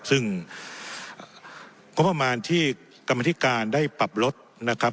ซึ่งงบประมาณที่กรรมธิการได้ปรับลดนะครับ